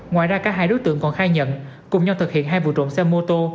ngoài ra cả hai đối tượng còn khai nhận cùng nhau thực hiện hai vụ trộm xe mô tô